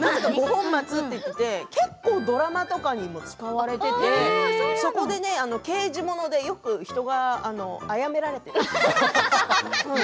五本松と言って結構ドラマとかにも使われていて刑事物でよく人があやめられている。